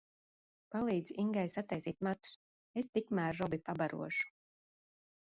Palīdzi Ingai sataisīt matus, es tikmēr Robi pabarošu!